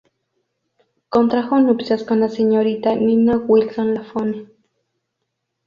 Contrajo nupcias con la señorita Nina Wilson Lafone.